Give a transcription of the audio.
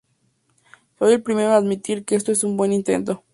Soy el primero en admitir que esto es un buen intento.